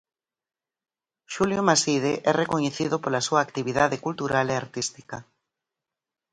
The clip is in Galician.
Xulio Maside é recoñecido pola súa actividade cultural e artística.